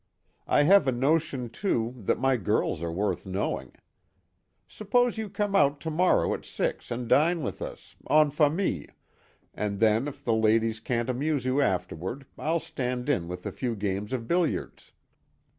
I have a notion, too, that my girls are worth knowing. Suppose you come out to morrow at six and dine with us, en famille; and then if the ladies can't amuse you afterward I'll stand in with a few games of billiards."